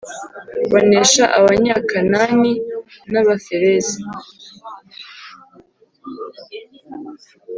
banesha Abanyakan ni n Abaferizi